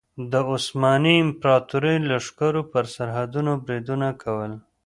د عثماني امپراطورۍ لښکرو پر سرحدونو بریدونه کول.